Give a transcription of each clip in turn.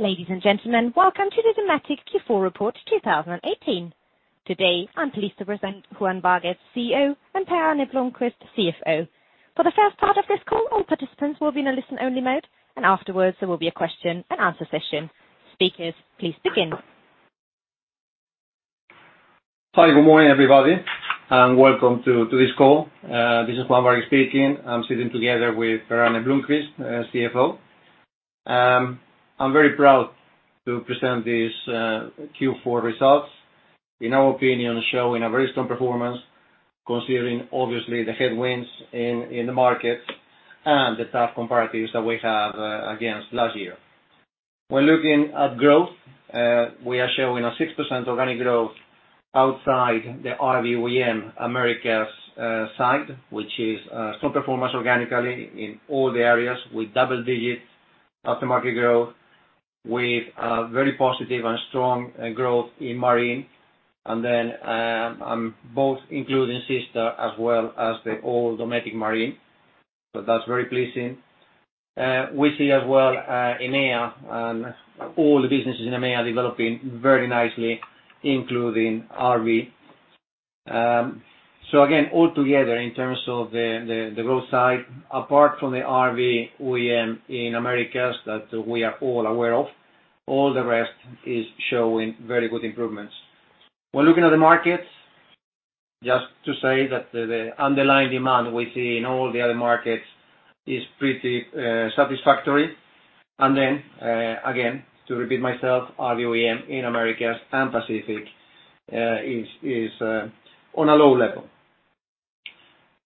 Ladies and gentlemen, welcome to the Dometic Q4 report 2018. Today, I am pleased to present Juan Vargues, CEO, and Per-Arne Blomquist, CFO. For the first part of this call, all participants will be in a listen-only mode. Afterwards, there will be a question and answer session. Speakers, please begin. Hi, good morning, everybody, welcome to this call. This is Juan Vargues speaking. I am sitting together with Per-Arne Blomquist, CFO. I am very proud to present these Q4 results. In our opinion, showing a very strong performance considering obviously the headwinds in the markets and the tough comparatives that we have against last year. When looking at growth, we are showing a 6% organic growth outside the RV OEM Americas side, which is a strong performance organically in all the areas with double-digit aftermarket growth, with a very positive and strong growth in Marine. Both including SeaStar as well as the old Dometic Marine. That is very pleasing. We see as well, EMEA and all the businesses in EMEA are developing very nicely, including RV. Again, altogether, in terms of the growth side, apart from the RV OEM in Americas, that we are all aware of, all the rest is showing very good improvements. When looking at the markets, just to say that the underlying demand we see in all the other markets is pretty satisfactory. Then again, to repeat myself, RV OEM in Americas and Pacific is on a low level.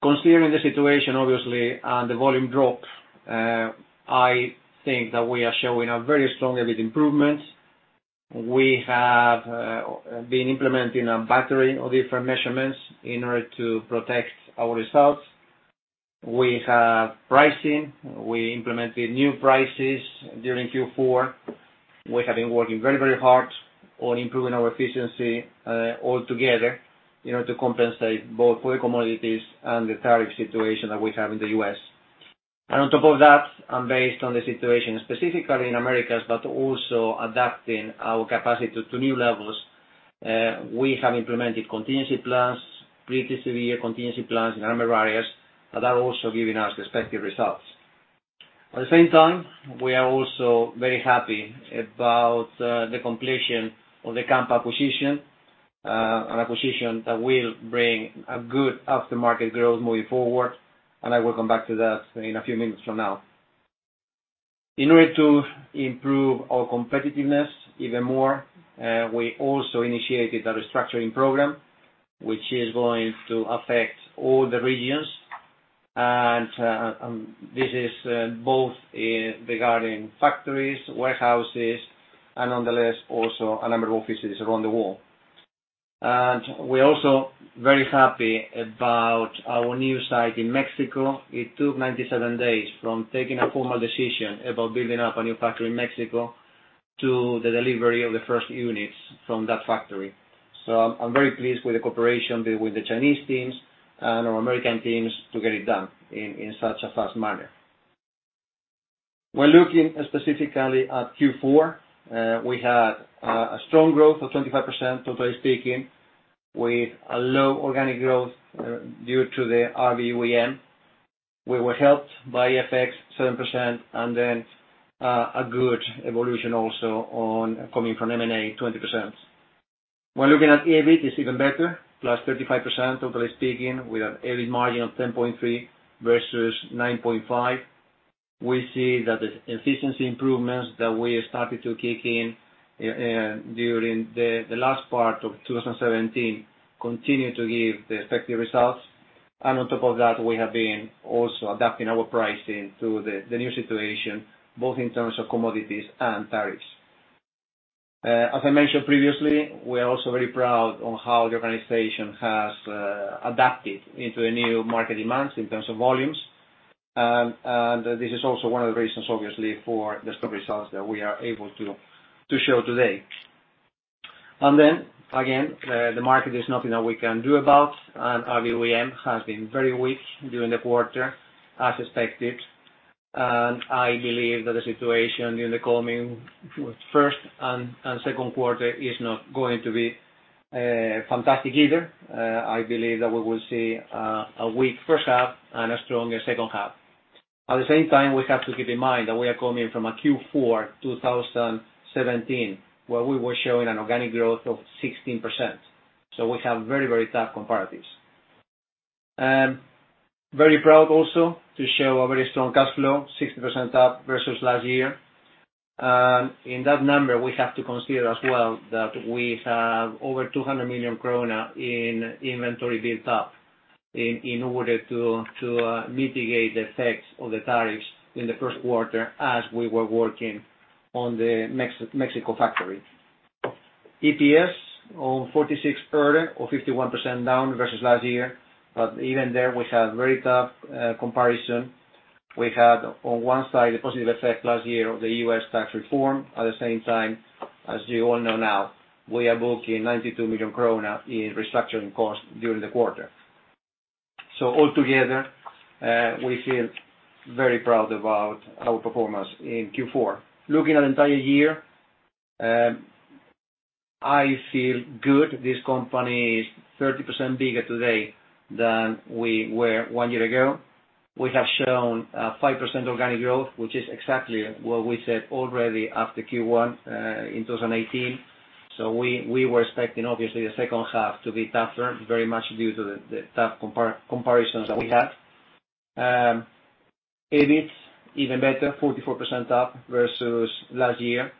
Considering the situation obviously, and the volume drop, I think that we are showing a very strong EBIT improvement. We have been implementing a battery of different measurements in order to protect our results. We have pricing. We implemented new prices during Q4. We have been working very hard on improving our efficiency altogether in order to compensate both for the commodities and the tariff situation that we have in the U.S. On top of that, and based on the situation specifically in Americas, but also adapting our capacity to new levels, we have implemented contingency plans, pretty severe contingency plans in a number of areas that are also giving us respective results. At the same time, we are also very happy about the completion of the Kampa acquisition. An acquisition that will bring a good aftermarket growth moving forward. I will come back to that in a few minutes from now. In order to improve our competitiveness even more, we also initiated a restructuring program, which is going to affect all the regions. This is both regarding factories, warehouses, and nonetheless, also a number of offices around the world. We are also very happy about our new site in Mexico. It took 97 days from taking a formal decision about building up a new factory in Mexico to the delivery of the first units from that factory. I'm very pleased with the cooperation with the Chinese teams and our American teams to get it done in such a fast manner. When looking specifically at Q4, we had a strong growth of 25% totally speaking, with a low organic growth due to the RV OEM. We were helped by FX 7% and a good evolution also coming from M&A 20%. When looking at EBIT, it's even better, +35% totally speaking, with an EBIT margin of 10.3% versus 9.5%. We see that the efficiency improvements that we started to kick in during the last part of 2017 continue to give the expected results. On top of that, we have been also adapting our pricing to the new situation, both in terms of commodities and tariffs. As I mentioned previously, we are also very proud on how the organization has adapted into the new market demands in terms of volumes. This is also one of the reasons, obviously, for the stock results that we are able to show today. Again, the market is nothing that we can do about. RV OEM has been very weak during the quarter, as expected. I believe that the situation in the coming first and second quarter is not going to be fantastic either. I believe that we will see a weak first half and a stronger second half. At the same time, we have to keep in mind that we are coming from a Q4 2017, where we were showing an organic growth of 16%. We have very tough comparatives. Very proud also to show a very strong cash flow, 60% up versus last year. In that number, we have to consider as well that we have over 200 million krona in inventory built up in order to mitigate the effects of the tariffs in the first quarter as we were working on the Mexico factory. EPS on 0.46 or 51% down versus last year. Even there we had very tough comparison. We had on one side the positive effect last year of the U.S. tax reform. At the same time, as you all know now, we are booking 92 million krona in restructuring costs during the quarter. Altogether, we feel very proud about our performance in Q4. Looking at the entire year, I feel good. This company is 30% bigger today than we were one year ago. We have shown a 5% organic growth, which is exactly what we said already after Q1 in 2018. We were expecting, obviously, the second half to be tougher, very much due to the tough comparisons that we had. EBIT, even better, 44% up versus last year.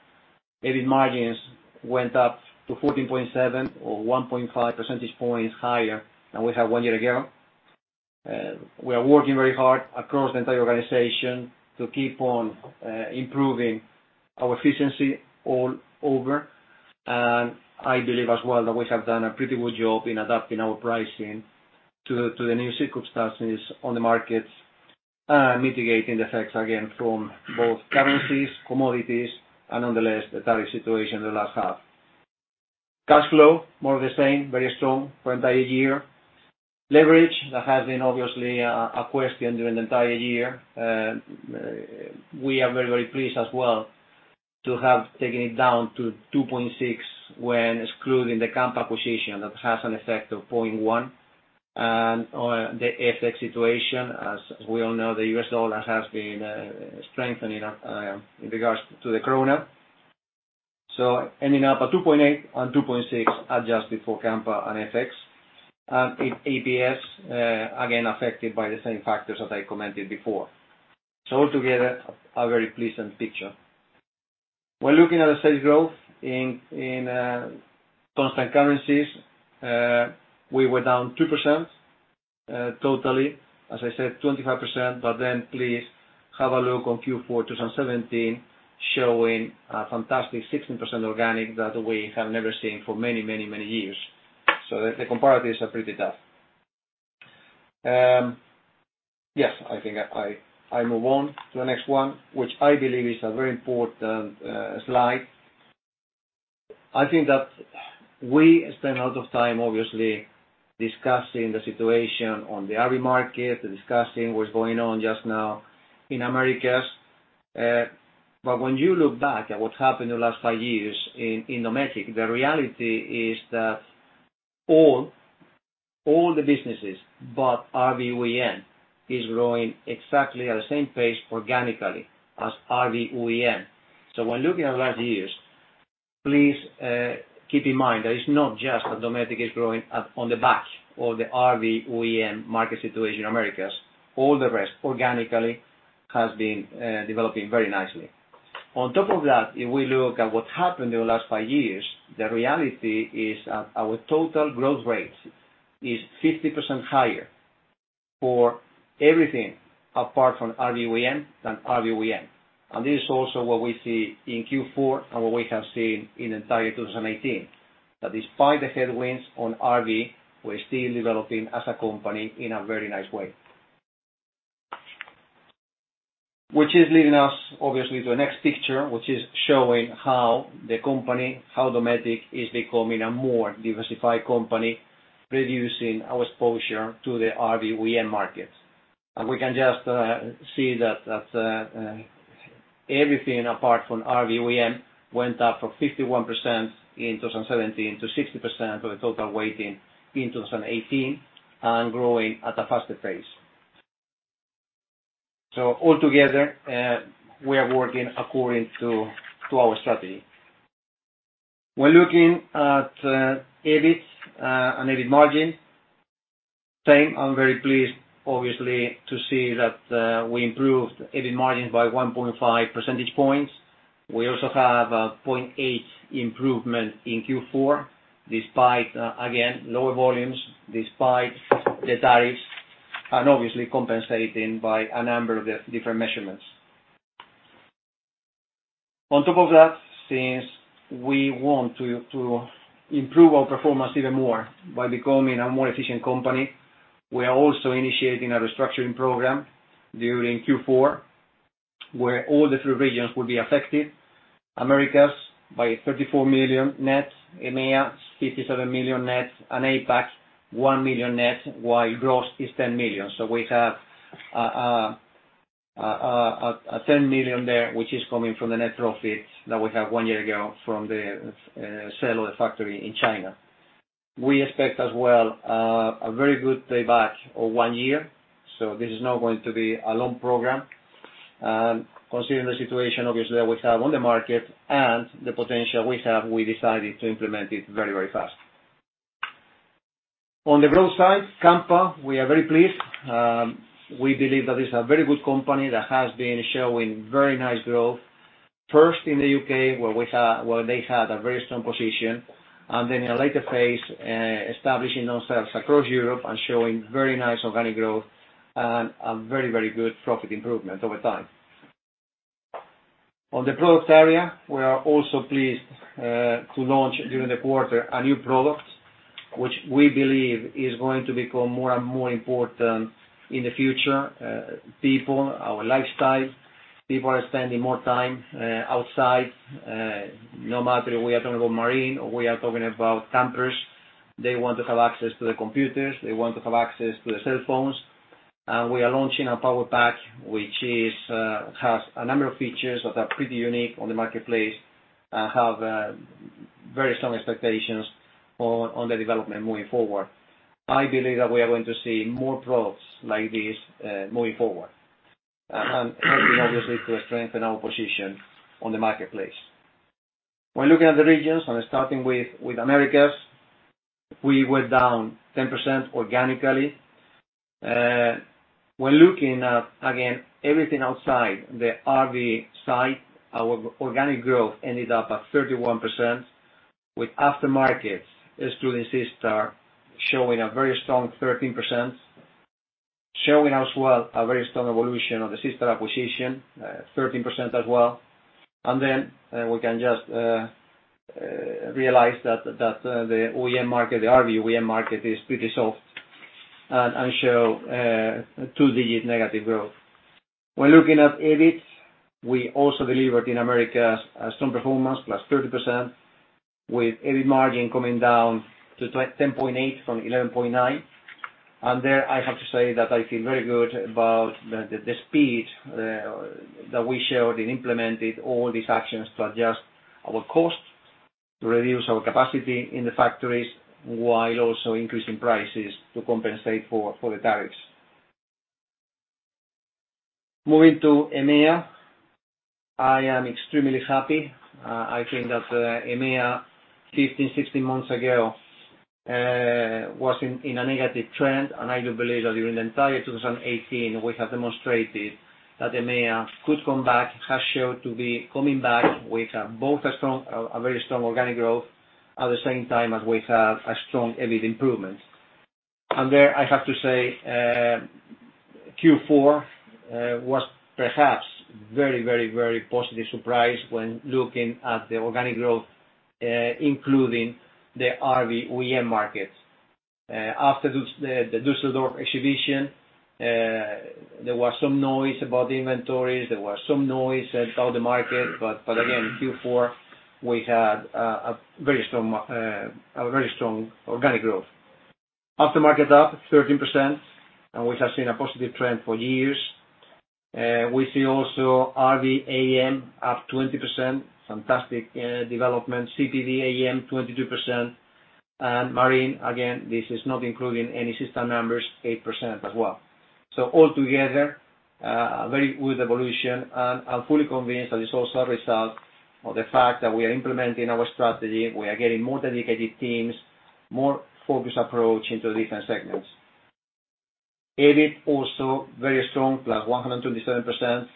EBIT margins went up to 14.7% or 1.5 percentage points higher than we had one year ago. We are working very hard across the entire organization to keep on improving our efficiency all over. I believe as well that we have done a pretty good job in adapting our pricing to the new circumstances on the markets, and mitigating the effects again from both currencies, commodities, and nonetheless, the tariff situation in the last half. Cash flow, more of the same, very strong for the entire year. Leverage, that has been obviously a question during the entire year. We are very pleased as well to have taken it down to 2.6 when excluding the Kampa acquisition, that has an effect of 0.1. The FX situation, as we all know, the US dollar has been strengthening in regards to the krona. Ending up at 2.8 and 2.6 adjusted for Kampa and FX. EPS, again, affected by the same factors as I commented before. Altogether, a very pleasant picture. When looking at the sales growth in constant currencies, we were down 2% totally. As I said, 25%, please have a look on Q4 2017, showing a fantastic 16% organic that we have never seen for many years. The comparatives are pretty tough. Yes, I think I move on to the next one, which I believe is a very important slide. I think that we spend a lot of time, obviously, discussing the situation on the RV market, discussing what's going on just now in Americas. When you look back at what happened in the last five years in Dometic, the reality is that all the businesses, but RV OEM, is growing exactly at the same pace organically as RV OEM. When looking at the last years, please keep in mind that it's not just that Dometic is growing on the back of the RV OEM market situation in Americas. All the rest, organically, has been developing very nicely. On top of that, if we look at what happened over the last five years, the reality is that our total growth rate is 50% higher for everything apart from RV OEM than RV OEM. This is also what we see in Q4 and what we have seen in entire 2018. That despite the headwinds on RV, we're still developing as a company in a very nice way. Which is leading us obviously to the next picture, which is showing how the company, how Dometic is becoming a more diversified company, reducing our exposure to the RV OEM market. We can just see that everything apart from RV OEM went up from 51% in 2017 to 60% for the total weighting in 2018 and growing at a faster pace. Altogether, we are working according to our strategy. When looking at EBIT and EBIT margin, same, I'm very pleased obviously to see that we improved EBIT margins by 1.5 percentage points. We also have a 0.8 improvement in Q4 despite, again, lower volumes, despite the tariffs, and obviously compensating by a number of different measurements. On top of that, since we want to improve our performance even more by becoming a more efficient company, we are also initiating a restructuring program during Q4, where all the three regions will be affected. Americas by $34 million net, EMEA, $57 million net, and APAC, $1 million net, while gross is $10 million. We have a 10 million there, which is coming from the net profits that we had one year ago from the sale of the factory in China. We expect as well a very good payback of one year. This is not going to be a long program. Considering the situation, obviously, that we have on the market and the potential we have, we decided to implement it very fast. On the growth side, Kampa, we are very pleased. We believe that it's a very good company that has been showing very nice growth, first in the U.K., where they had a very strong position, then in a later phase, establishing themselves across Europe and showing very nice organic growth and a very good profit improvement over time. On the product area, we are also pleased to launch during the quarter a new product, which we believe is going to become more and more important in the future. People, our lifestyle. People are spending more time outside. No matter we are talking about marine or we are talking about campers, they want to have access to their computers, they want to have access to their cell phones. We are launching a Dometic PLB40, which has a number of features that are pretty unique on the marketplace and have very strong expectations on the development moving forward. I believe that we are going to see more products like this moving forward. Helping obviously to strengthen our position on the marketplace. When looking at the regions and starting with Americas, we were down 10% organically. When looking at, again, everything outside the RV side, our organic growth ended up at 31%, with after-markets, as through the SeaStar, showing a very strong 13%. Showing as well a very strong evolution of the SeaStar acquisition, 13% as well. Then we can just realize that the OEM market, the RV OEM market is pretty soft and show two-digit negative growth. When looking at EBIT, we also delivered in America a strong performance, +30%, with EBIT margin coming down to 10.8% from 11.9%. There I have to say that I feel very good about the speed that we showed and implemented all these actions to adjust our cost, to reduce our capacity in the factories, while also increasing prices to compensate for the tariffs. Moving to EMEA, I am extremely happy. I think that EMEA, 15, 16 months ago, was in a negative trend. I do believe that during the entire 2018, we have demonstrated that EMEA could come back, has showed to be coming back with both a very strong organic growth at the same time as we have a strong EBIT improvement. There I have to say Q4 was perhaps very positive surprise when looking at the organic growth including the RV OEM market. After the Düsseldorf exhibition there was some noise about the inventories, there was some noise about the market. Again, Q4, we had a very strong organic growth. After-market up 13%. We have seen a positive trend for years. We see also RV AM up 20%, fantastic development. CPV AM 22%. Marine, again, this is not including any SeaStar numbers, 8% as well. Altogether, a very good evolution, and I'm fully convinced that it's also a result of the fact that we are implementing our strategy. We are getting more dedicated teams, more focused approach into different segments. EBIT also very strong, +127%,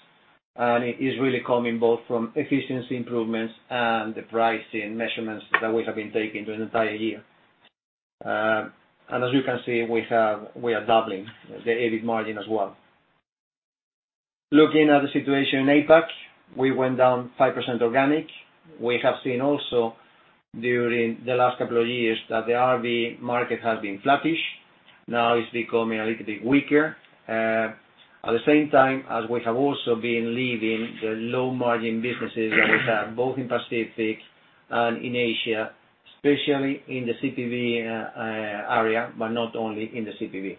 and it is really coming both from efficiency improvements and the pricing measurements that we have been taking the entire year. As you can see, we are doubling the EBIT margin as well. Looking at the situation in APAC, we went down 5% organic. We have seen also during the last couple of years that the RV market has been flattish. Now it's becoming a little bit weaker. At the same time as we have also been leaving the low-margin businesses that we have both in Pacific and in Asia, especially in the CPV area, but not only in the CPV.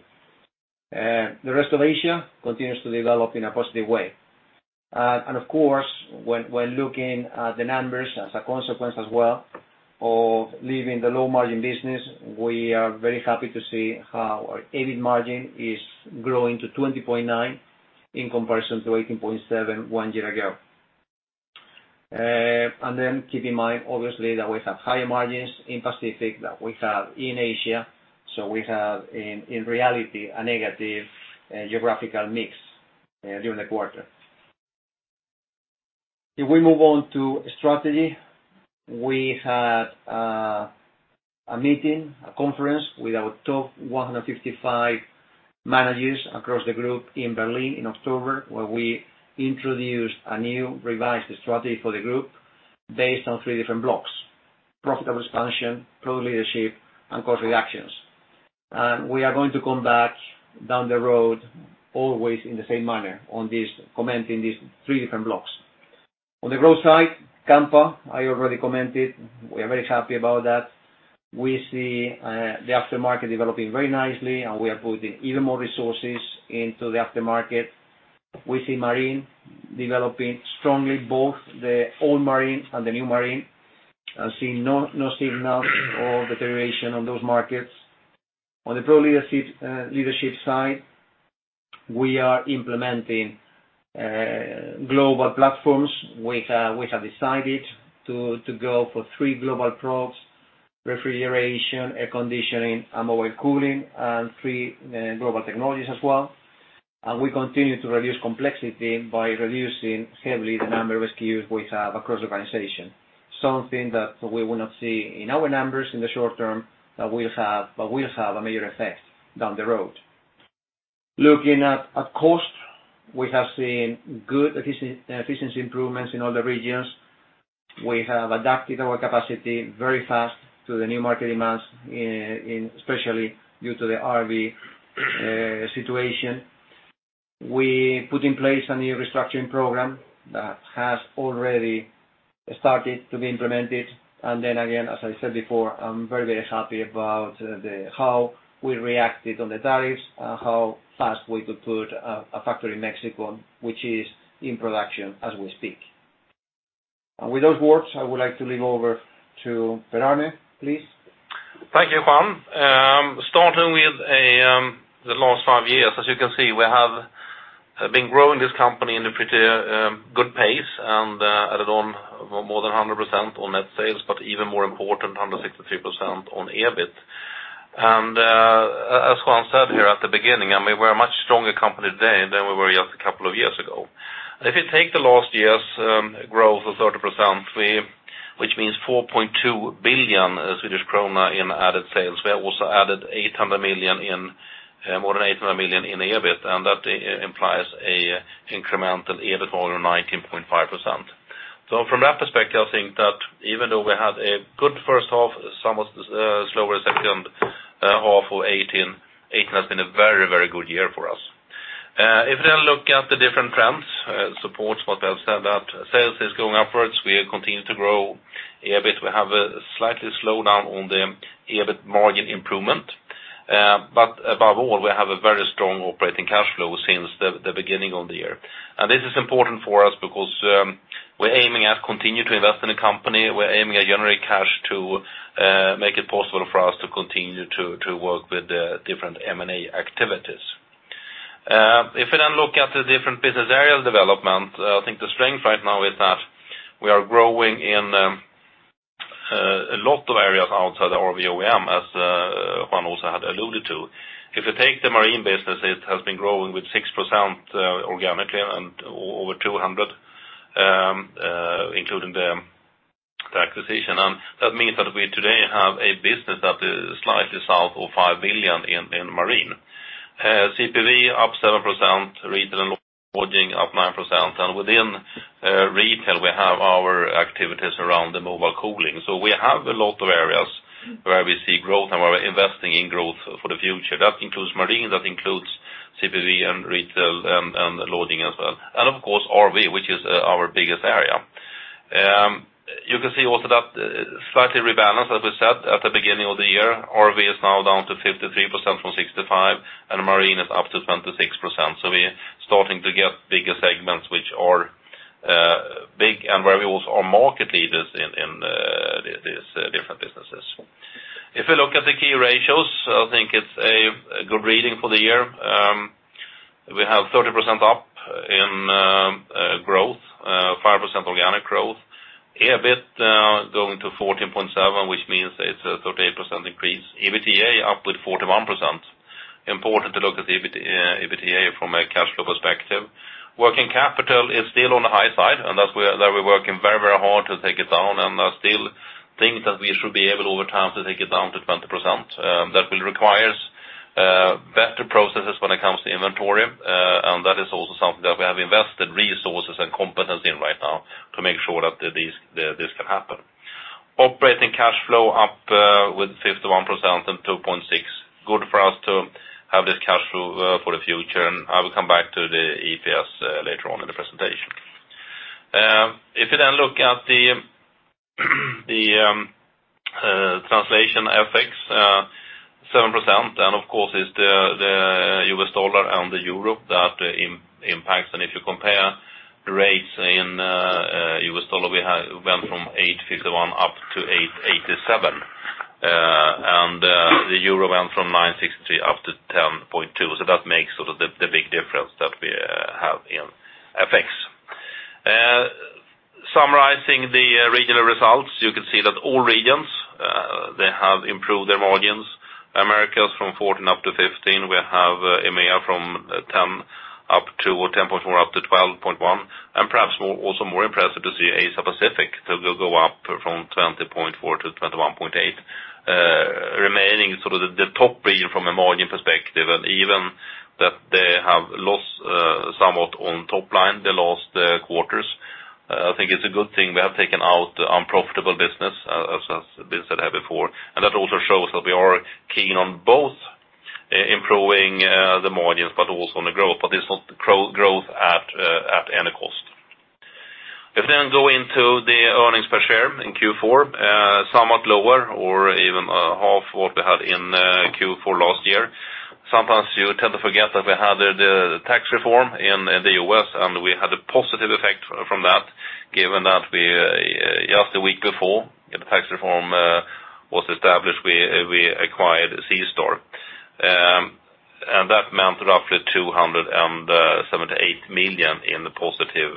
The rest of Asia continues to develop in a positive way. Of course, when looking at the numbers as a consequence as well of leaving the low-margin business, we are very happy to see how our EBIT margin is growing to 20.9% in comparison to 18.7% one year ago. Keep in mind, obviously, that we have higher margins in Pacific than we have in Asia. We have, in reality, a negative geographical mix during the quarter. If we move on to strategy. We had a meeting, a conference with our top 155 managers across the group in Berlin in October, where we introduced a new revised strategy for the group based on three different blocks. Profitable expansion, product leadership, and cost reductions. We are going to come back down the road always in the same manner on this, commenting these three different blocks. On the growth side, Kampa, I already commented. We are very happy about that. We see the after-market developing very nicely, and we are putting even more resources into the after-market. We see marine developing strongly, both the old marine and the new marine, and no signals of deterioration on those markets. On the product leadership side, we are implementing global platforms. We have decided to go for three global products, refrigeration, air-conditioning, and mobile cooling, and three global technologies as well. We continue to reduce complexity by reducing heavily the number of SKUs we have across the organization. Something that we will not see in our numbers in the short term, but will have a major effect down the road. Looking at cost, we have seen good efficiency improvements in all the regions. We have adapted our capacity very fast to the new market demands, especially due to the RV situation. We put in place a new restructuring program that has already started to be implemented. Again, as I said before, I'm very, very happy about how we reacted on the tariffs, how fast we could put a factory in Mexico, which is in production as we speak. With those words, I would like to leave over to Per-Arne, please. Thank you, Juan. Starting with the last five years. As you can see, we have been growing this company in a pretty good pace, added on more than 100% on net sales, but even more important, 163% on EBIT. As Juan said here at the beginning, we're a much stronger company today than we were just a couple of years ago. If you take the last year's growth of 30%, which means 4.2 billion Swedish krona in added sales. We have also added more than 800 million in EBIT, that implies an incremental EBIT of over 19.5%. From that perspective, I think that even though we had a good first half, somewhat slower second half of 2018 has been a very, very good year for us. If you look at the different trends, supports what I've said, that sales is going upwards. We continue to grow EBIT. We have a slightly slowdown on the EBIT margin improvement. Above all, we have a very strong operating cash flow since the beginning of the year. This is important for us because we're aiming at continue to invest in the company. We're aiming at generate cash to make it possible for us to continue to work with the different M&A activities. If you look at the different business areas development, I think the strength right now is that we are growing in a lot of areas outside the RV OEM, as Juan also had alluded to. If you take the marine business, it has been growing with 6% organically and over 200, including the acquisition. That means that we today have a business that is slightly south of 5 billion in marine. CPV up 7%, retail and loading up 9%. Within retail, we have our activities around the mobile cooling. We have a lot of areas where we see growth and where we're investing in growth for the future. That includes marine, that includes CPV and retail, and loading as well. Of course, RV, which is our biggest area. You can see also that slightly rebalance, as we said at the beginning of the year, RV is now down to 53% from 65%, and marine is up to 26%. We're starting to get bigger segments, which are big and where we also are market leaders in these different businesses. If you look at the key ratios, I think it's a good reading for the year. We have 30% up in growth, 5% organic growth. EBIT going to 14.7%, which means it's a 38% increase. EBITDA up with 41%. Important to look at the EBITDA from a cash flow perspective. Working capital is still on the high side, that we're working very, very hard to take it down, I still think that we should be able over time to take it down to 20%. That will require better processes when it comes to inventory, that is also something that we have invested resources and competence in right now to make sure that this can happen. Operating cash flow up with 51% and 2.6 billion. Good for us to have this cash flow for the future, I will come back to the EPS later on in the presentation. If you look at the translation FX, 7%, of course, it's the U.S. dollar and the EUR that impacts. If you compare rates in U.S. dollar, we went from 851 up to 887. The euro went from 9.63 up to 10.2. That makes sort of the big difference that we have in FX. Summarizing the regional results, you can see that all regions, they have improved their margins. Americas from 14% up to 15%. We have EMEA from 10.4% up to 12.1%. Perhaps also more impressive to see Asia Pacific go up from 20.4%-21.8%. Remaining sort of the top region from a margin perspective, and even that they have lost somewhat on top line the last quarters. I think it's a good thing we have taken out unprofitable business, as I said before. That also shows that we are keen on both improving the margins, but also on the growth, but it's not growth at any cost. Earnings per share in Q4, somewhat lower or even half what we had in Q4 last year. Sometimes you tend to forget that we had the tax reform in the U.S., and we had a positive effect from that, given that just a week before the tax reform was established, we acquired SeaStar. That meant roughly 278 million in the positive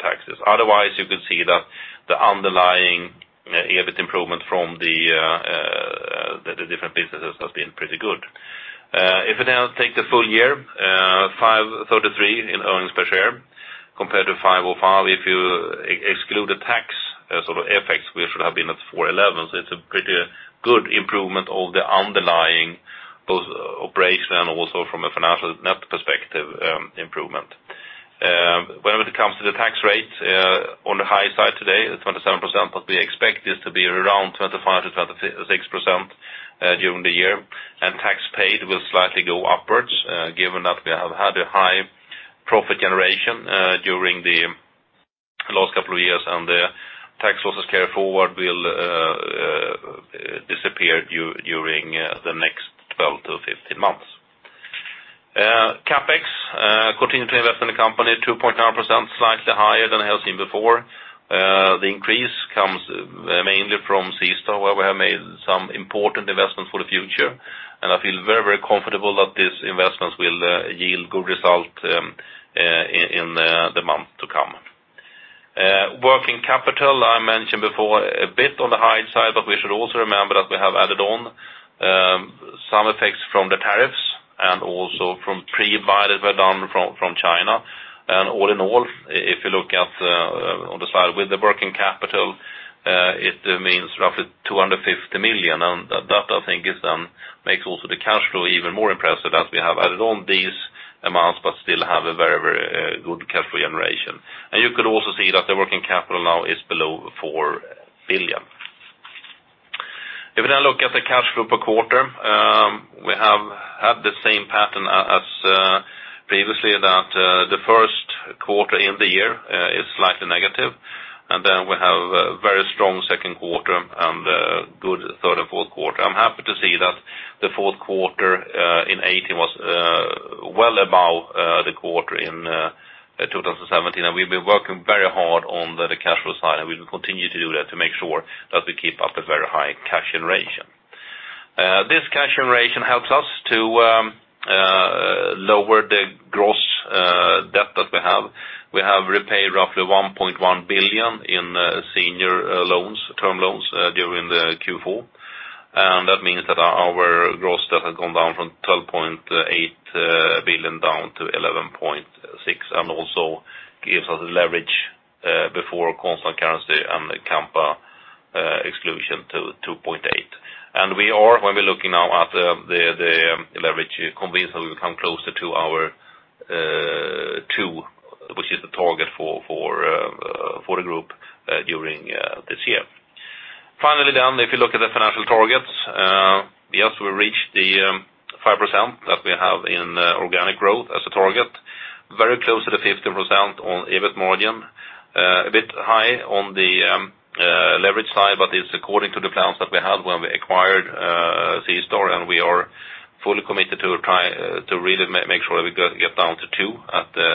taxes. Otherwise, you could see that the underlying EBIT improvement from the different businesses has been pretty good. If you now take the full year, 5.33 in earnings per share compared to 5.05 if you exclude the tax sort of effect. Should have been at 4.11. It's a pretty good improvement of the underlying, both operational and also from a financial net perspective improvement. Whenever it comes to the tax rate, on the high side today, the 27%, but we expect this to be around 25%-26% during the year. Tax paid will slightly go upwards, given that we have had a high profit generation during the last couple of years, and the tax losses carry forward will disappear during the next 12-15 months. CapEx, continuing to invest in the company, 2.9%, slightly higher than I have seen before. The increase comes mainly from SeaStar, where we have made some important investments for the future, and I feel very, very comfortable that these investments will yield good result in the months to come. Working capital, I mentioned before, a bit on the high side, but we should also remember that we have added on some effects from the tariffs, and also from pre-buys that were done from China. All in all, if you look at on the slide with the working capital, it means roughly 250 million. That, I think, makes also the cash flow even more impressive as we have added on these amounts, but still have a very, very good cash flow generation. You could also see that the working capital now is below 4 billion. The cash flow per quarter, we have had the same pattern as previously, that the first quarter in the year is slightly negative, and then we have a very strong second quarter and a good third and fourth quarter. I'm happy to see that the fourth quarter in 2018 was well above the quarter in 2017. We've been working very hard on the cash flow side, and we will continue to do that to make sure that we keep up a very high cash generation. This cash generation helps us to lower the gross debt that we have. We have repaid roughly 1.1 billion in senior loans, term loans during the Q4. That means that our gross debt has gone down from 12.8 billion down to 11.6 billion, and also gives us a leverage, before constant currency and the Kampa exclusion to 2.8x. We are, when we're looking now at the leverage, convinced that we'll come closer to our 2x, which is the target for the group during this year. Finally, if you look at the financial targets, yes, we reached the 5% that we have in organic growth as a target. Very close to the 50% on EBIT margin. A bit high on the leverage side, but it's according to the plans that we had when we acquired SeaStar, and we are fully committed to really make sure that we get down to 2x at the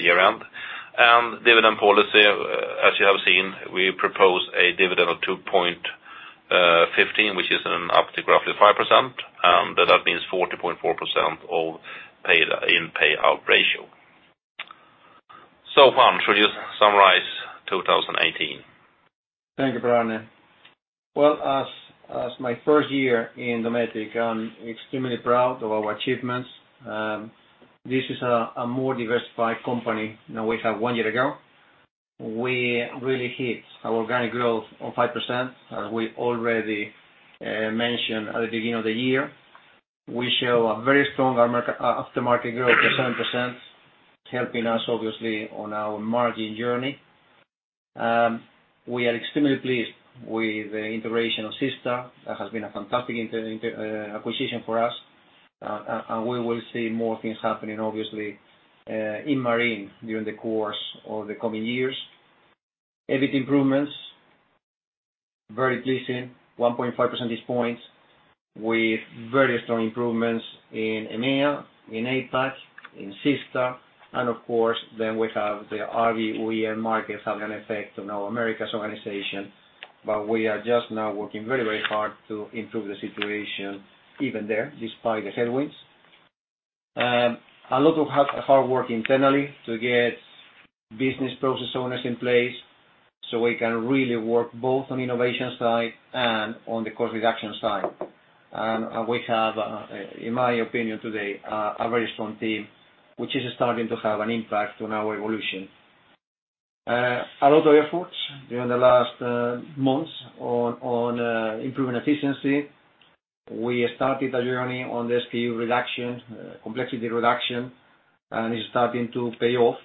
year-end. Dividend policy, as you have seen, we propose a dividend of 2.15, which is up to roughly 5%, but that means 40.4% in payout ratio. Juan, should you summarize 2018? Thank you, Per-Arne. Well, as my first year in Dometic, I'm extremely proud of our achievements. This is a more diversified company than we had one year ago. We really hit our organic growth of 5%, as we already mentioned at the beginning of the year. We show a very strong aftermarket growth of 7%, helping us obviously on our margin journey. We are extremely pleased with the integration of SeaStar. That has been a fantastic acquisition for us. We will see more things happening, obviously, in Marine during the course of the coming years. EBIT improvements, very pleasing, 1.5 percentage points with very strong improvements in EMEA, in APAC, in SeaStar. Of course, we have the RV OEM markets have an effect on our Americas organization. We are just now working very, very hard to improve the situation even there, despite the headwinds. A lot of hard work internally to get business process owners in place so we can really work both on innovation side and on the cost reduction side. We have, in my opinion today, a very strong team, which is starting to have an impact on our evolution. A lot of efforts during the last months on improving efficiency. We started a journey on the SKU reduction, complexity reduction, and it's starting to pay off.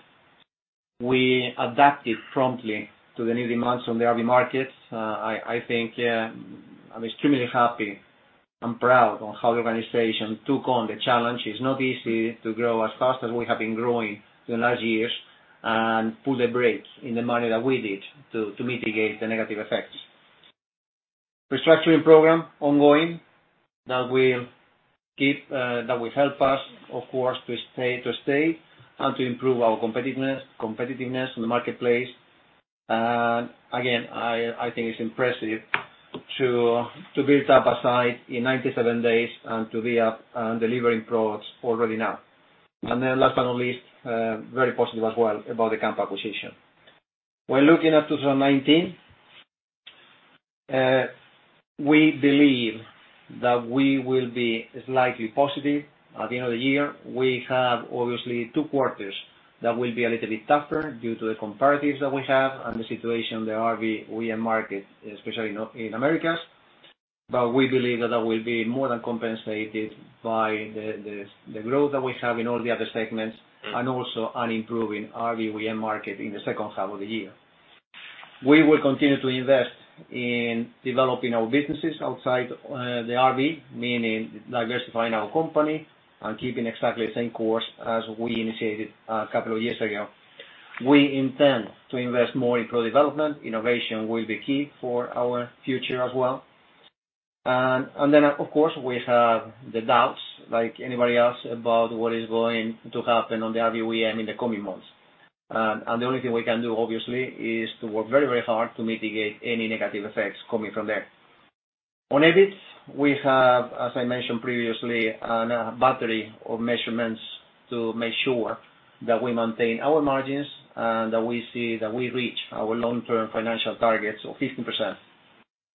We adapted promptly to the new demands on the RV markets. I think I'm extremely happy and proud on how the organization took on the challenge. It's not easy to grow as fast as we have been growing during the last years and pull the brakes in the manner that we did to mitigate the negative effects. Restructuring program ongoing, that will help us, of course, to stay and to improve our competitiveness in the marketplace. Again, I think it's impressive to build up a site in 97 days and to be up and delivering products already now. Last but not least, very positive as well about the Kampa acquisition. When looking at 2019. We believe that we will be slightly positive at the end of the year. We have obviously two quarters that will be a little bit tougher due to the comparatives that we have and the situation in the RV OEM market, especially in Americas. We believe that that will be more than compensated by the growth that we have in all the other segments, and also an improving RV OEM market in the second half of the year. We will continue to invest in developing our businesses outside the RV, meaning diversifying our company and keeping exactly the same course as we initiated a couple of years ago. We intend to invest more in pro development. Innovation will be key for our future as well. Of course, we have the doubts, like anybody else, about what is going to happen on the RV OEM in the coming months. The only thing we can do, obviously, is to work very hard to mitigate any negative effects coming from there. On EBIT, we have, as I mentioned previously, a battery of measurements to make sure that we maintain our margins and that we see that we reach our long-term financial targets of 15%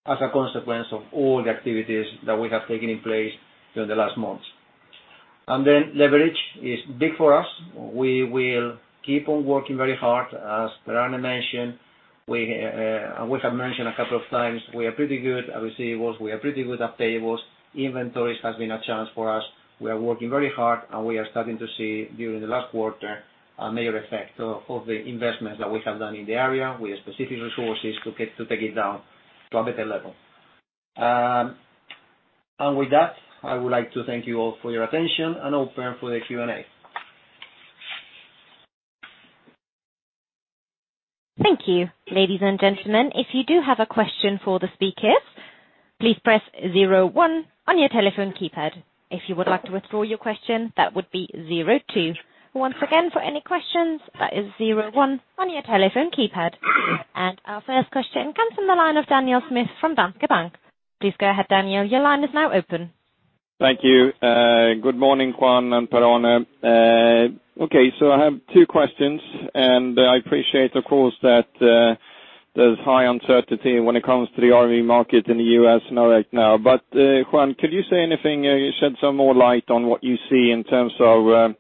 as a consequence of all the activities that we have taken in place during the last months. Leverage is big for us. We will keep on working very hard. As Per-Arne mentioned, we have mentioned a couple of times we are pretty good at receivables. We are pretty good at payables. Inventories has been a challenge for us. We are working very hard, and we are starting to see during the last quarter a major effect of the investments that we have done in the area with specific resources to take it down to a better level. With that, I would like to thank you all for your attention and open for the Q&A. Thank you. Ladies and gentlemen, if you do have a question for the speakers, please press zero one on your telephone keypad. If you would like to withdraw your question, that would be zero two. Once again, for any questions, that is zero one on your telephone keypad. Our first question comes from the line of Daniel Schmidt from Danske Bank. Please go ahead, Daniel. Your line is now open. Thank you. Good morning, Juan and Per-Arne. I have two questions, and I appreciate, of course, that there's high uncertainty when it comes to the RV market in the U.S. right now. Juan, could you say anything or shed some more light on what you see in terms of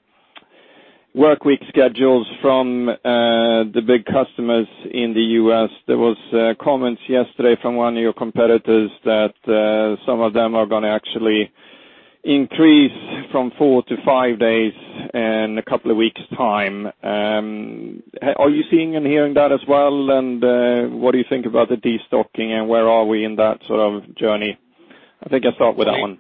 work week schedules from the big customers in the U.S.? There was comments yesterday from one of your competitors that some of them are going to actually increase from four to five days in a couple of weeks time. Are you seeing and hearing that as well? What do you think about the destocking, and where are we in that sort of journey? I think I start with that one.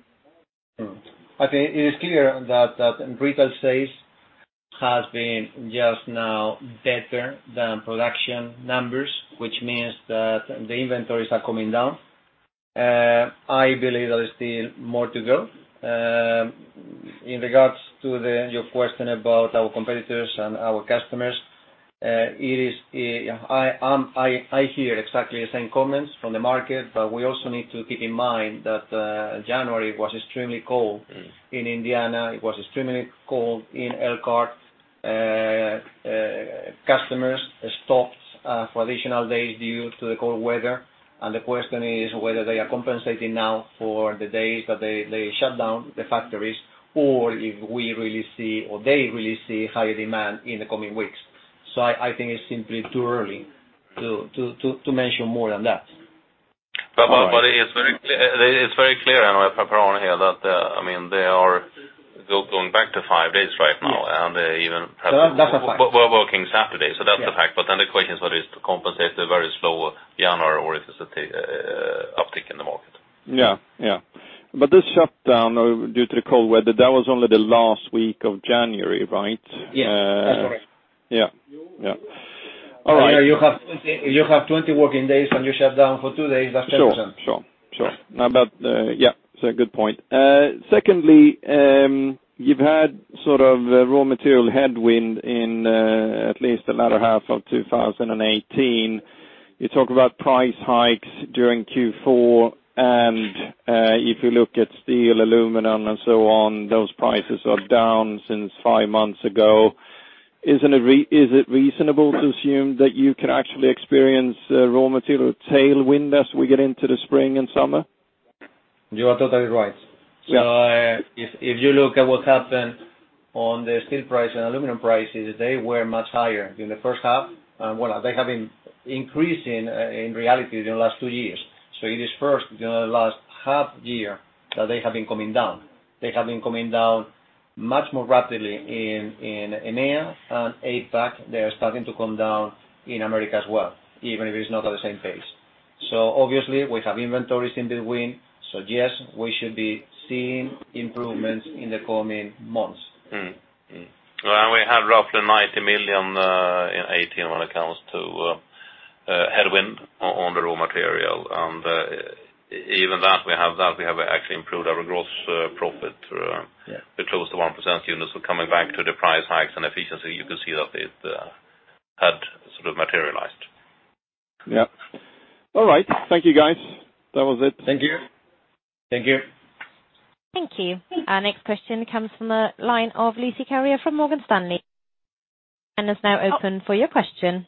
I think it is clear that retail sales has been just now better than production numbers, which means that the inventories are coming down. I believe there is still more to go. In regards to your question about our competitors and our customers, I hear exactly the same comments from the market. We also need to keep in mind that January was extremely cold in Indiana. It was extremely cold in Elkhart. Customers stopped for additional days due to the cold weather. The question is whether they are compensating now for the days that they shut down the factories or if we really see or they really see higher demand in the coming weeks. I think it's simply too early to mention more than that. It's very clear, Per-Arne here that they are going back to five days right now. That's a fact. We're working Saturday. That's a fact. The question is whether it's to compensate the very slow January or if it's a uptick in the market. Yeah. This shutdown due to the cold weather, that was only the last week of January, right? Yes, that's correct. Yeah. All right. You have 20 working days, you shut down for two days. That's 10%. Sure. No, but yeah, it's a good point. Secondly, you've had sort of raw material headwind in at least the latter half of 2018. You talk about price hikes during Q4, and if you look at steel, aluminum, and so on, those prices are down since five months ago. Is it reasonable to assume that you can actually experience raw material tailwind as we get into the spring and summer? You are totally right. If you look at what happened on the steel price and aluminum prices, they were much higher during the first half. Well, they have been increasing in reality during the last two years. It is first during the last half year that they have been coming down. They have been coming down much more rapidly in EMEA and APAC. They are starting to come down in America as well, even if it's not at the same pace. Obviously, we have inventories in between. Yes, we should be seeing improvements in the coming months. We had roughly 90 million in 2018 when it comes to headwind on the raw material. Even that, we have actually improved our gross profit to close to 1% units. Coming back to the price hikes and efficiency, you can see that it had sort of materialized. Yeah. All right. Thank you, guys. That was it. Thank you. Thank you. Thank you. Our next question comes from the line of Lucie Carrier from Morgan Stanley. It's now open for your question.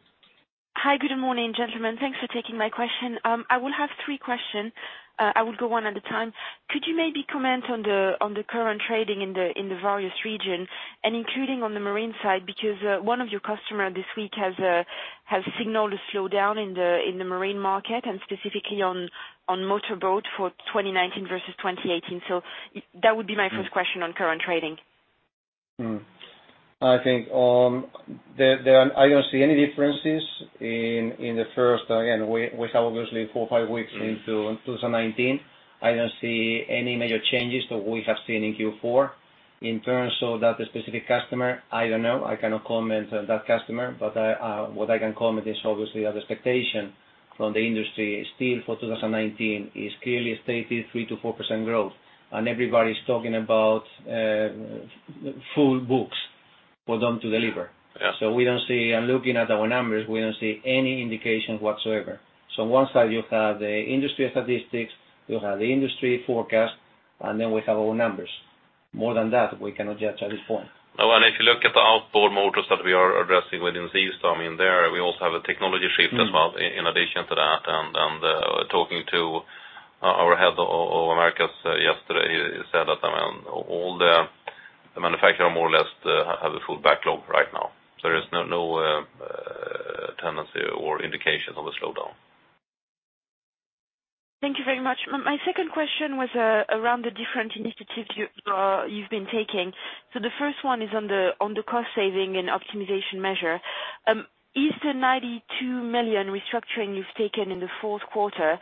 Hi. Good morning, gentlemen. Thanks for taking my question. I will have three questions. I will go one at a time. Could you maybe comment on the current trading in the various regions and including on the marine side? Because one of your customers this week has signaled a slowdown in the marine market and specifically on motorboat for 2019 versus 2018. That would be my first question on current trading. I think, I don't see any differences in the first, again, we have obviously four or five weeks into 2019. I don't see any major changes to what we have seen in Q4. In terms of that specific customer, I don't know. I cannot comment on that customer, but what I can comment is obviously the expectation from the industry still for 2019 is clearly a stated 3%-4% growth, and everybody's talking about full books for them to deliver. Yeah. We don't see, and looking at our numbers, we don't see any indication whatsoever. One side you have the industry statistics, you have the industry forecast, and then we have our numbers. More than that, we cannot judge at this point. If you look at the outboard motors that we are addressing within SeaStar, I mean, there, we also have a technology shift as well in addition to that. Talking to our head of Americas yesterday, he said that all the manufacturer more or less have a full backlog right now. There is no tendency or indications of a slowdown. Thank you very much. My second question was around the different initiatives you've been taking. The first one is on the cost saving and optimization measure. Is the 92 million restructuring you've taken in the fourth quarter,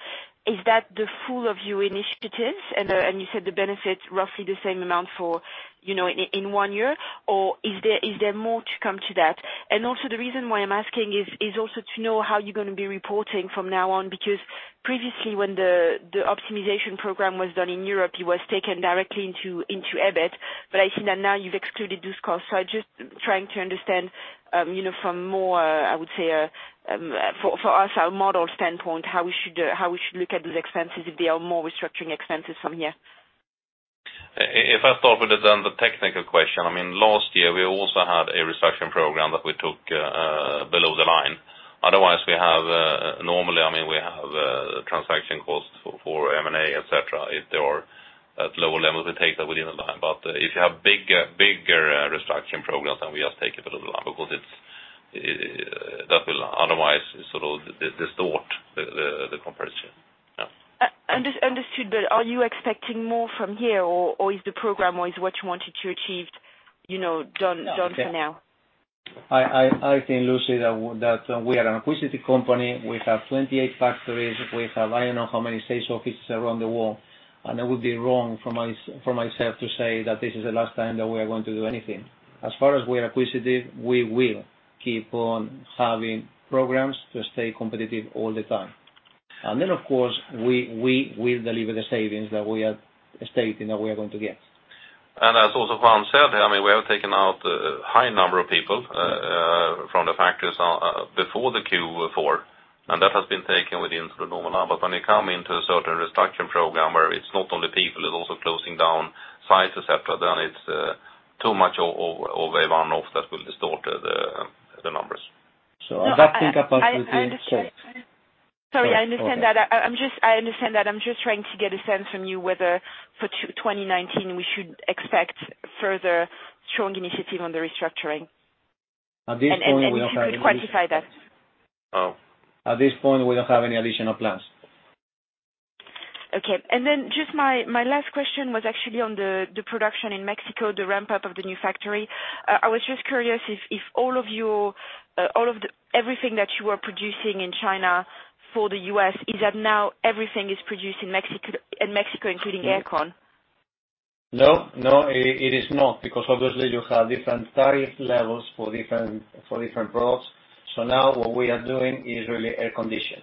is that the full of your initiatives? You said the benefit's roughly the same amount for in one year or is there more to come to that? The reason why I'm asking is also to know how you're going to be reporting from now on, because previously when the optimization program was done in Europe, it was taken directly into EBIT, but I think that now you've excluded those costs. I'm just trying to understand, from more, I would say, for us, our model standpoint, how we should look at those expenses if they are more restructuring expenses from here. If I start with the technical question. I mean, last year, we also had a restructuring program that we took below the line. Otherwise, we have normally, I mean, we have transaction costs for M&A, et cetera. If they are at lower levels, we take that within the line. If you have bigger restructuring programs, we just take it below the line because that will otherwise sort of distort the comparison. Yeah. Understood, are you expecting more from here, or is the program or is what you wanted to achieve done for now? I think, Lucie, that we are an acquisitive company. We have 28 factories. We have I don't know how many sales offices around the world, and that would be wrong for myself to say that this is the last time that we are going to do anything. As far as we're acquisitive, we will keep on having programs to stay competitive all the time. Then, of course, we will deliver the savings that we are stating that we are going to get. As also Juan said, I mean, we have taken out a high number of people from the factories before the Q4, and that has been taken within the normal now. When you come into a certain restructuring program where it's not only people, it's also closing down sites, etc, then it's too much of a one-off that will distort the numbers. That think about the case. Sorry, I understand that. I'm just trying to get a sense from you whether for 2019, we should expect further strong initiative on the restructuring. At this point, we don't have any additional plans. If you could quantify that. Oh. At this point, we don't have any additional plans. Okay. Then just my last question was actually on the production in Mexico, the ramp-up of the new factory. I was just curious if everything that you were producing in China for the U.S., is that now everything is produced in Mexico, including air con? No, it is not because obviously you have different tariff levels for different products. Now what we are doing is really air condition.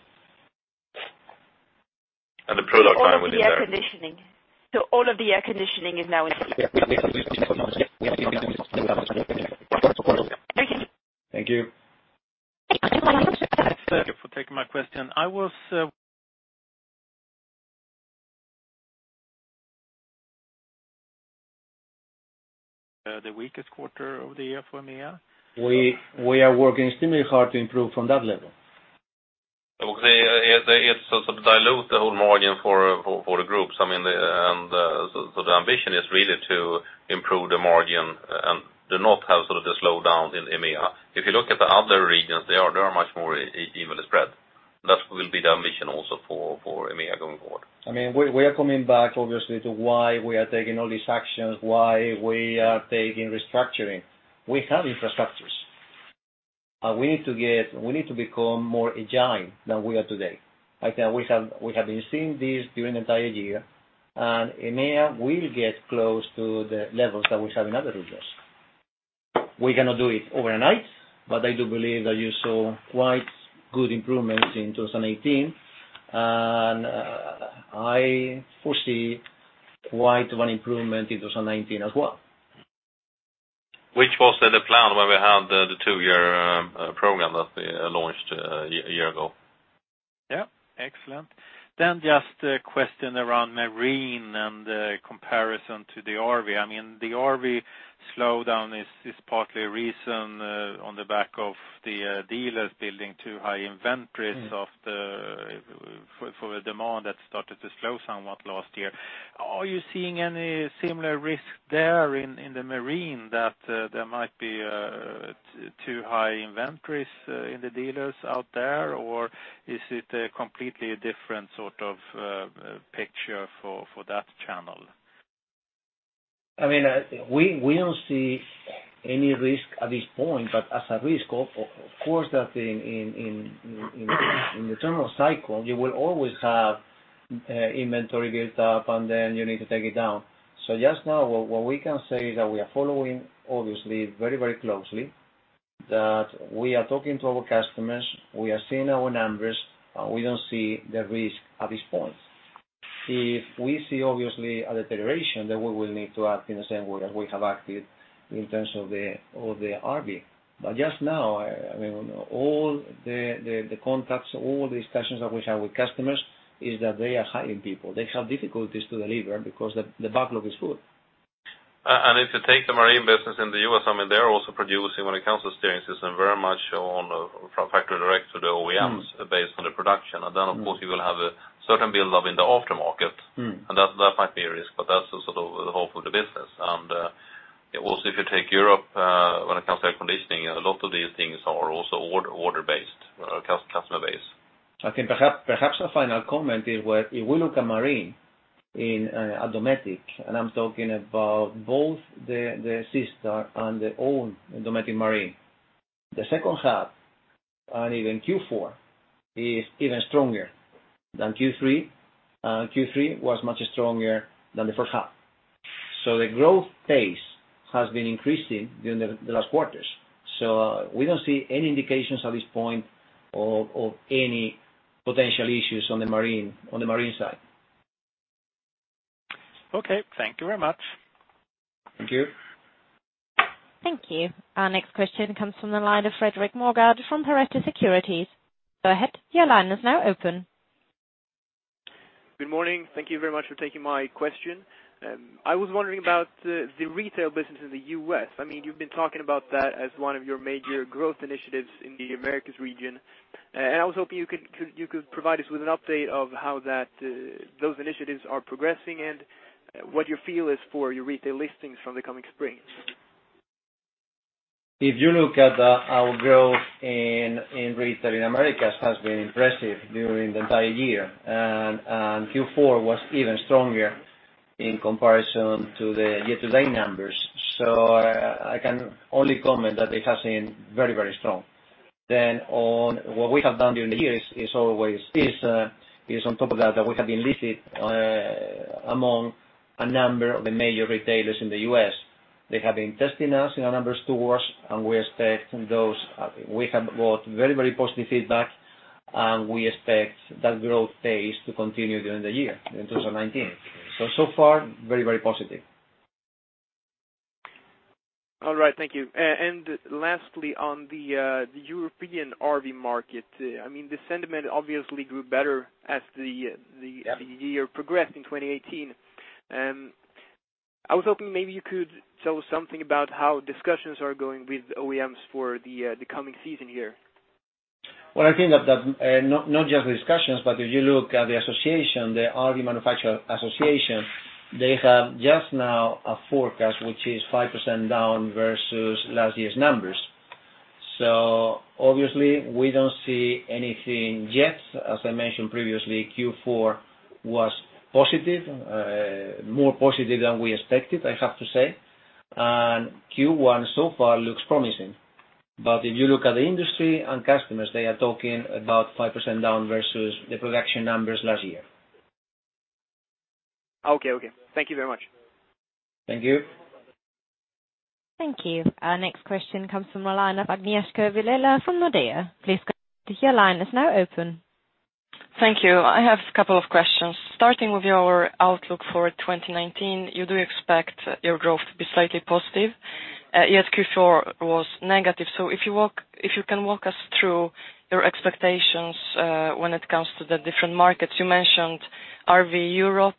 The product line within there. Only air conditioning. All of the air conditioning is now in? Thank you. Thank you for taking my question. The weakest quarter of the year for EMEA. We are working extremely hard to improve from that level. It sort of dilute the whole margin for the Group. I mean, so the ambition is really to improve the margin and do not have sort of the slowdown in EMEA. If you look at the other regions, they are much more evenly spread. That will be the ambition also for EMEA going forward. I mean, we are coming back obviously to why we are taking all these actions, why we are taking restructuring. We have infrastructures. We need to become more agile than we are today, right? We have been seeing this during the entire year. EMEA will get close to the levels that we have in other regions. We cannot do it overnight, but I do believe that you saw quite good improvements in 2018, and I foresee quite one improvement in 2019 as well. Which was the plan when we had the two-year program that we launched a year ago Yeah, excellent. Just a question around Marine and the comparison to the RV. The RV slowdown is partly a reason on the back of the dealers building too high inventories for the demand that started to slow somewhat last year. Are you seeing any similar risk there in the Marine that there might be too high inventories in the dealers out there? Or is it a completely different sort of picture for that channel? We don't see any risk at this point, as a risk, of course, that in the terminal cycle, you will always have inventory built up, and you need to take it down. Just now what we can say is that we are following obviously very closely, that we are talking to our customers, we are seeing our numbers, and we don't see the risk at this point. If we see, obviously, a deterioration, we will need to act in the same way that we have acted in terms of the RV. Just now, all the contacts, all discussions that we have with customers is that they are hiring people. They have difficulties to deliver because the backlog is full. If you take the Marine business in the U.S., they're also producing, when it comes to steering system, very much from factory direct to the OEMs based on the production. Of course, you will have a certain build-up in the aftermarket. That might be a risk, but that's also the hope of the business. If you take Europe, when it comes to air conditioning, a lot of these things are also order-based, customer base. I think perhaps a final comment is where if we look at Marine in Dometic, I am talking about both the SeaStar and the own Dometic Marine. The second half and even Q4 is even stronger than Q3, and Q3 was much stronger than the first half. The growth pace has been increasing during the last quarters. We don't see any indications at this point of any potential issues on the Marine side. Okay. Thank you very much. Thank you. Thank you. Our next question comes from the line of Fredrik Moregård from Pareto Securities. Go ahead, your line is now open. Good morning. Thank you very much for taking my question. I was wondering about the retail business in the U.S. You've been talking about that as one of your major growth initiatives in the Americas region. I was hoping you could provide us with an update of how those initiatives are progressing and what your feel is for your retail listings from the coming spring. If you look at our growth in retail in Americas has been impressive during the entire year. Q4 was even stronger in comparison to the year-to-date numbers. I can only comment that it has been very strong. On what we have done during the years is always this, is on top of that we have been listed among a number of the major retailers in the U.S. They have been testing us in a number of stores. We have got very positive feedback, and we expect that growth pace to continue during the year in 2019. So far, very positive. All right. Thank you. Lastly, on the European RV market, the sentiment obviously grew better as the. Yeah. Year progressed in 2018. I was hoping maybe you could tell something about how discussions are going with OEMs for the coming season here. Well, I think that not just the discussions, but if you look at the association, the RV Industry Association, they have just now a forecast which is 5% down versus last year's numbers. Obviously we don't see anything yet. As I mentioned previously, Q4 was positive, more positive than we expected, I have to say. Q1 so far looks promising. If you look at the industry and customers, they are talking about 5% down versus the production numbers last year. Okay. Thank you very much. Thank you. Thank you. Our next question comes from the line of Agnieszka Vilela from Nordea. Please go ahead. Your line is now open. Thank you. I have a couple of questions. Starting with your outlook for 2019, you do expect your growth to be slightly positive, yet Q4 was negative. If you can walk us through your expectations when it comes to the different markets. You mentioned RV Europe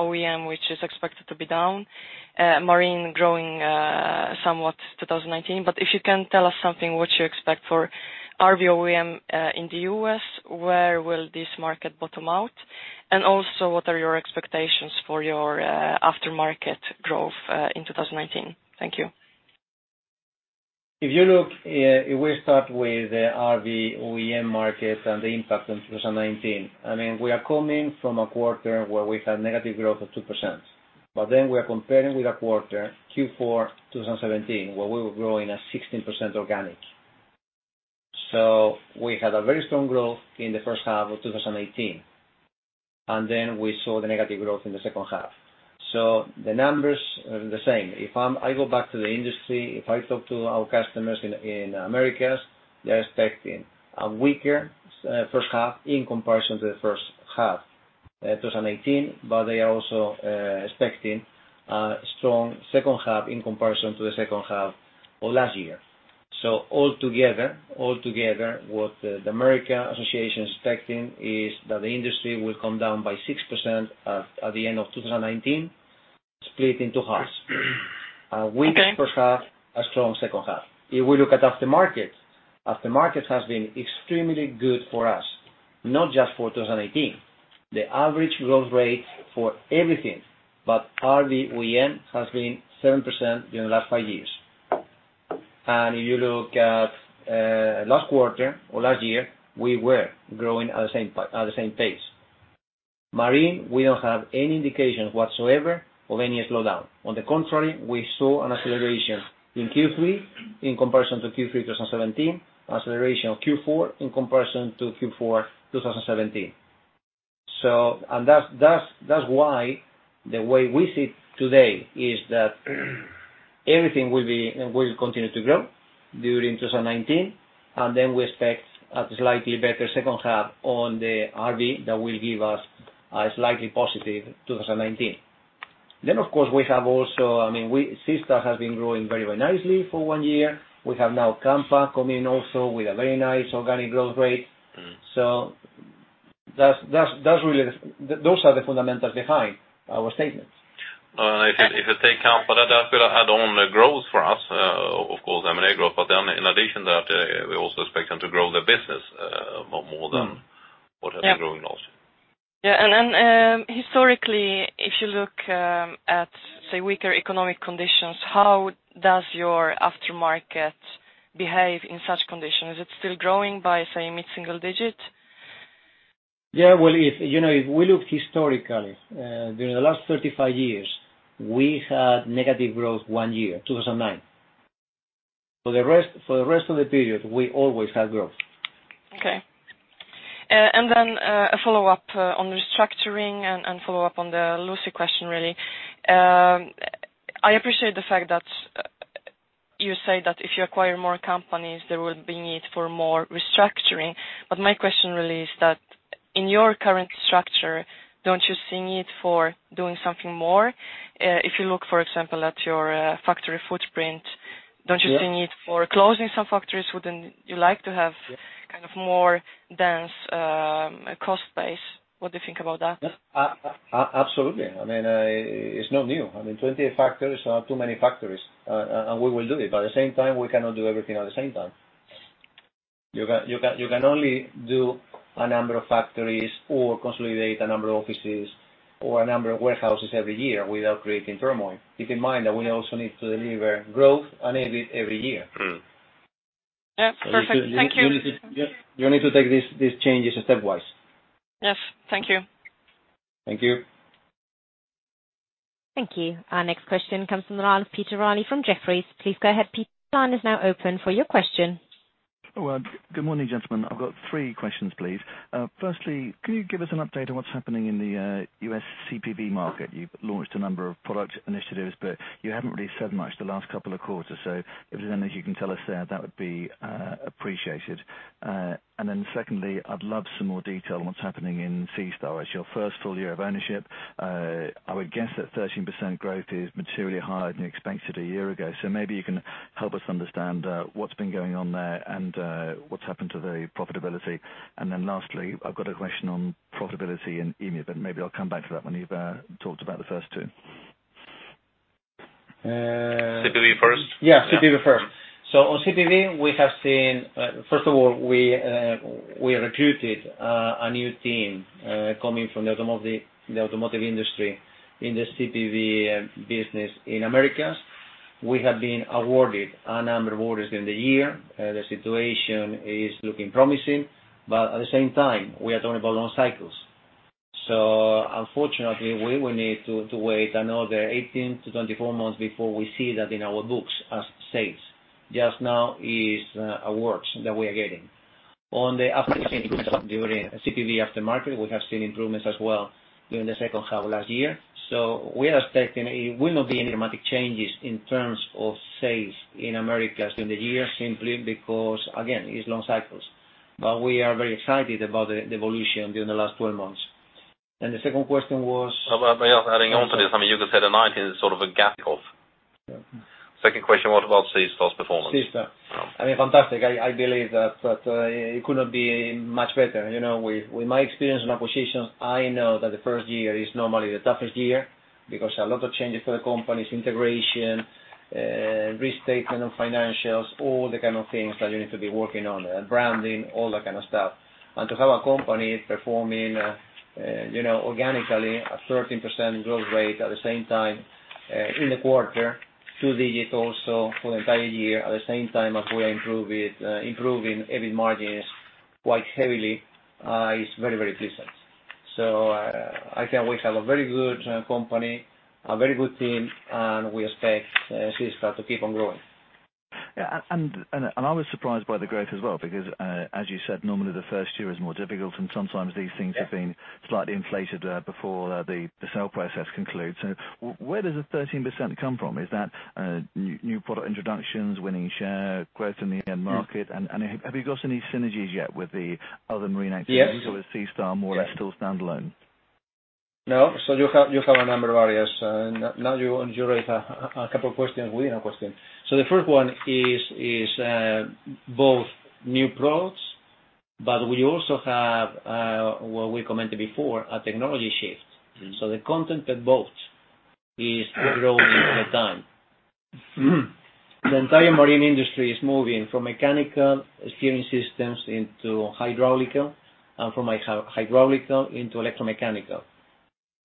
OEM, which is expected to be down, Marine growing somewhat 2019. If you can tell us something, what you expect for RV OEM in the U.S., where will this market bottom out? Also what are your expectations for your aftermarket growth in 2019? Thank you. If we start with the RV OEM market and the impact on 2019. We are coming from a quarter where we had negative growth of 2%, we are comparing with a quarter Q4 2017, where we were growing at 16% organic. We had a very strong growth in the first half of 2018, we saw the negative growth in the second half. The numbers are the same. If I go back to the industry, if I talk to our customers in Americas, they are expecting a weaker first half in comparison to the first half 2018, they are also expecting a strong second half in comparison to the second half of last year. Altogether, what the RV Industry Association is expecting is that the industry will come down by 6% at the end of 2019, split into halves. Okay. A weaker first half, a strong second half. If we look at after-market, after-market has been extremely good for us, not just for 2018. The average growth rate for everything but RV OEM has been 7% during the last five years. If you look at last quarter or last year, we were growing at the same pace. Marine, we don't have any indication whatsoever of any slowdown. On the contrary, we saw an acceleration in Q3 in comparison to Q3 2017, acceleration of Q4 in comparison to Q4 2017. That's why the way we see it today is that everything will continue to grow during 2019, we expect a slightly better second half on the RV that will give us a slightly positive 2019. Of course, SeaStar has been growing very well nicely for one year. We have now Kampa coming in also with a very nice organic growth rate. Those are the fundamentals behind our statements. If you take Kampa, that will add on the growth for us, of course, M&A growth. In addition that, we also expect them to grow their business more than what has been growing last. Well, if we look historically, during the last 35 years, we had negative growth one year, 2009. For the rest of the period, we always had growth. Okay. A follow-up on restructuring and follow-up on the Lucie question, really. I appreciate the fact that you say that if you acquire more companies, there will be need for more restructuring. My question really is that in your current structure, don't you see need for doing something more? If you look, for example, at your factory footprint don't you see need for closing some factories? Wouldn't you like to have more dense cost base? What do you think about that? Absolutely. It's not new. 20 factories are too many factories, we will do it. At the same time, we cannot do everything at the same time. You can only do a number of factories or consolidate a number of offices or a number of warehouses every year without creating turmoil. Keep in mind that we also need to deliver growth and EBIT every year. Yeah. Perfect. Thank you. You need to take these changes stepwise. Yes. Thank you. Thank you. Thank you. Our next question comes from the line of Peter Reilly from Jefferies. Please go ahead, Peter. Line is now open for your question. Well, good morning, gentlemen. I've got three questions, please. Firstly, can you give us an update on what's happening in the U.S. CPV market? You've launched a number of product initiatives, you haven't really said much the last couple of quarters. If there's anything you can tell us there, that would be appreciated. Secondly, I'd love some more detail on what's happening in SeaStar. It's your first full year of ownership. I would guess that 13% growth is materially higher than expected a year ago. Maybe you can help us understand what's been going on there and what's happened to the profitability. Lastly, I've got a question on profitability in EMEA, but maybe I'll come back to that when you've talked about the first two. Uh- CPV first? Yeah, CPV first. On CPV, we have seen. First of all, we recruited a new team coming from the automotive industry in the CPV business in Americas. We have been awarded a number of orders during the year. The situation is looking promising, at the same time, we are talking about long cycles. Unfortunately, we will need to wait another 18-24 months before we see that in our books as sales. Just now is awards that we are getting. On the aftermarket during CPV aftermarket, we have seen improvements as well during the second half of last year. We are expecting it will not be any dramatic changes in terms of sales in Americas during the year, simply because, again, it's long cycles. We are very excited about the evolution during the last 12 months. The second question was- Adding on to this, you could say that 2019 is sort of a gap year. Second question was about SeaStar's performance. Seastar. Oh. Fantastic. I believe that it could not be much better. With my experience in acquisitions, I know that the first year is normally the toughest year because a lot of changes for the companies, integration, restatement of financials, all the kind of things that you need to be working on, and branding, all that kind of stuff. To have a company performing organically a 13% growth rate at the same time in the quarter, two digits also for the entire year, at the same time as we are improving EBIT margins quite heavily is very, very pleasant. I think we have a very good company, a very good team, and we expect SeaStar to keep on growing. Yeah. I was surprised by the growth as well because, as you said, normally the first year is more difficult, and sometimes these things have been slightly inflated before the sale process concludes. Where does the 13% come from? Is that new product introductions, winning share, growth in the end market? Have you got any synergies yet with the other marine activities? Yes. Is SeaStar more or less still standalone? No. You have a number of areas, and now you raise a couple of questions within a question. The first one is both new products, but we also have, what we commented before, a technology shift. The content of boats is growing all the time. The entire marine industry is moving from mechanical steering systems into hydraulical, and from hydraulical into electromechanical.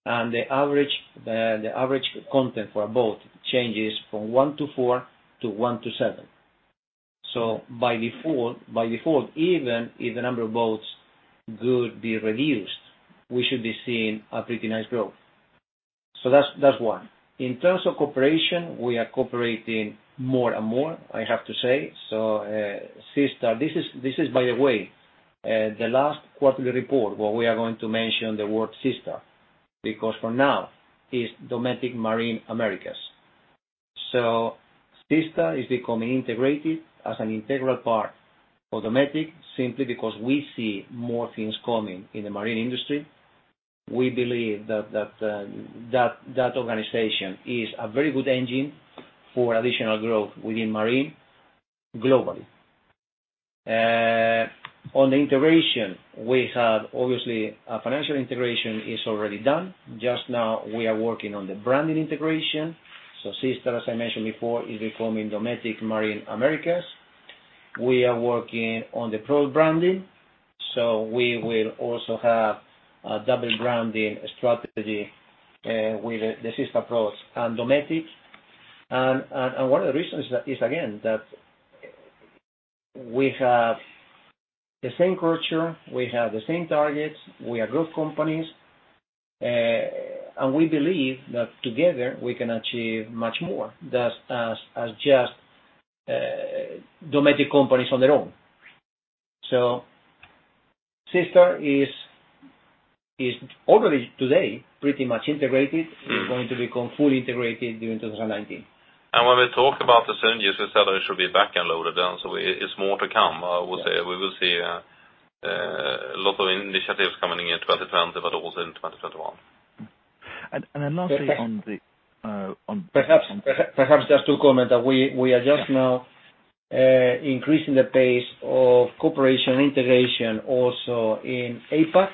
The average content for a boat changes from one to four to one to seven. By default, even if the number of boats could be reduced, we should be seeing a pretty nice growth. That's one. In terms of cooperation, we are cooperating more and more, I have to say. This is, by the way, the last quarterly report where we are going to mention the word SeaStar, because from now it's Dometic Marine Americas. SeaStar is becoming integrated as an integral part of Dometic, simply because we see more things coming in the marine industry. We believe that organization is a very good engine for additional growth within Marine globally. On the integration, we have, obviously, a financial integration is already done. Just now we are working on the branding integration. SeaStar, as I mentioned before, is becoming Dometic Marine Americas. We are working on the pro branding. We will also have a double branding strategy with the SeaStar products and Dometic. One of the reasons is, again, that we have the same culture, we have the same targets, we are growth companies, and we believe that together we can achieve much more than as just Dometic companies on their own. SeaStar is already today pretty much integrated, is going to become fully integrated during 2019. When we talk about the synergies, we said that it should be back-end loaded, it's more to come. We will see a lot of initiatives coming in 2020, but also in 2021. And then lastly on the- Perhaps just to comment that we are just now increasing the pace of cooperation integration also in APAC.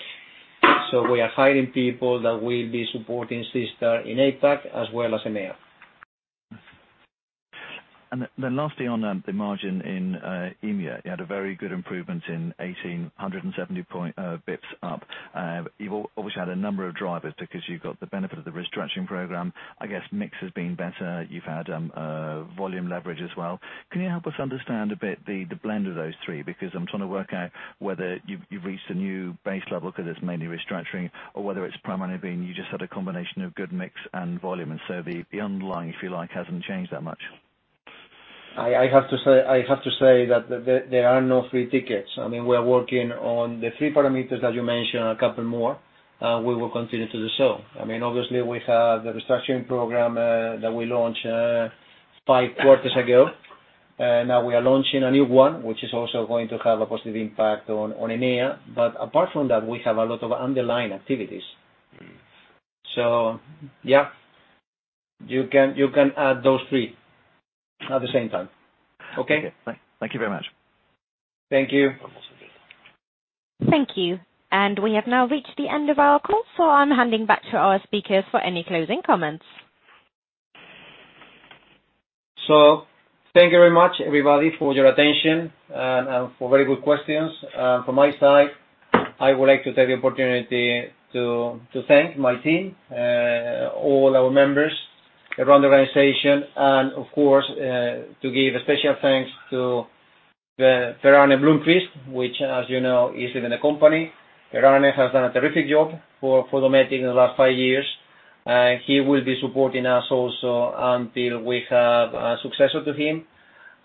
We are hiring people that will be supporting SeaStar in APAC as well as in EMEA. Lastly on the margin in EMEA, you had a very good improvement in 18, 170 basis points up. You've obviously had a number of drivers because you got the benefit of the restructuring program. I guess mix has been better. You've had volume leverage as well. Can you help us understand a bit the blend of those three? Because I'm trying to work out whether you've reached a new base level because it's mainly restructuring or whether it's primarily been you just had a combination of good mix and volume, the underlying, if you like, hasn't changed that much. I have to say that there are no free tickets. I mean, we are working on the three parameters that you mentioned, a couple more, we will continue to do so. Obviously, we have the restructuring program that we launched five quarters ago. Now we are launching a new one, which is also going to have a positive impact on EMEA. Apart from that, we have a lot of underlying activities. Yeah, you can add those three at the same time. Okay? Thank you very much. Thank you. Thank you. We have now reached the end of our call, so I'm handing back to our speakers for any closing comments. Thank you very much, everybody, for your attention and for very good questions. From my side, I would like to take the opportunity to thank my team, all our members around the organization and, of course, to give a special thanks to Per-Arne Blomquist, which, as you know, is leaving the company. Per-Arne has done a terrific job for Dometic in the last five years, and he will be supporting us also until we have a successor to him.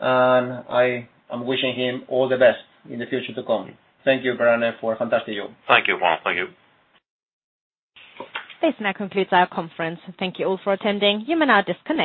I am wishing him all the best in the future to come. Thank you, Per-Arne, for a fantastic job. Thank you. Well, thank you. This now concludes our conference. Thank you all for attending. You may now disconnect.